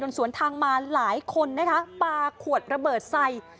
สวนทางมาหลายคนนะคะปลาขวดระเบิดใส่